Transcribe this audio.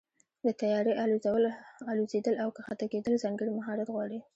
د طیارې الوزېدل او کښته کېدل ځانګړی مهارت غواړي.